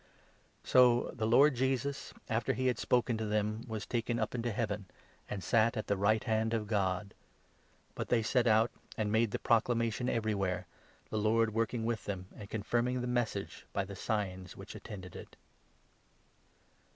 So the Lord Jesus, after he had spoken to them, was taken up 19 into Heaven, and sat at the right hand of God. But they set 20 out, and made the proclamation everywhere, the Lord work ing with them, and confirming the Message by the signs which attended it.